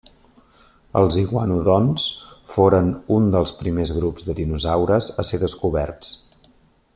Els iguanodonts foren un dels primers grups de dinosaures a ser descoberts.